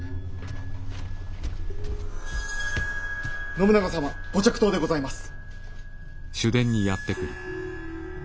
信長様ご着到でございます。